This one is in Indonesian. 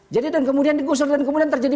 jadi kemudian digusur dan kemudian terjadi